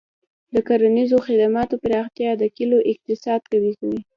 د کرنیزو خدماتو پراختیا د کلیو اقتصاد قوي کوي.